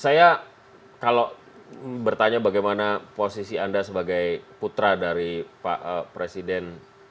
saya kalau bertanya bagaimana posisi anda sebagai putra dari pak presiden